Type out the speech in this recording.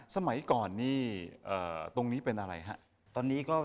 สมัยก่อนนี้ตรงนี้เป็นอะไรครับ